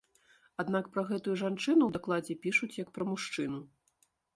Аднак пра гэтую жанчыну ў дакладзе пішуць, як пра мужчыну.